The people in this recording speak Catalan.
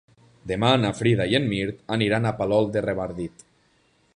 Demà na Frida i en Mirt aniran a Palol de Revardit.